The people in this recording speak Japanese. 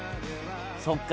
そっか。